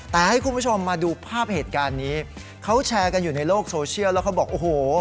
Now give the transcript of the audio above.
แต่ให้คุณผู้ชมมาดูภาพเหตุการณ์นี้เขาแชร์กันอยู่ในโลกโซเชียลแล้วเขาบอกโอ้โห